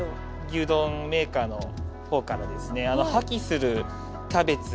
牛丼メーカーの方からですね破棄するキャベツ